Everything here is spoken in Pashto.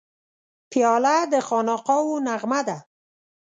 پیاله د خانقاهو نغمه ده.